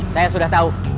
saya sudah tahu